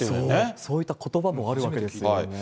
そういったことばもあるわけですよね。